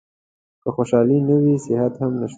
که خوشالي نه وي صحت هم نشته .